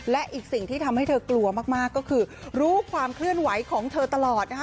และอีกสิ่งที่ทำให้เธอกลัวมากก็คือรู้ความเคลื่อนไหวของเธอตลอดนะคะ